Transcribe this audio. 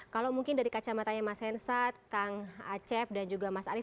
kalau mungkin dari kacamatanya mas hensat kang acep dan juga mas arief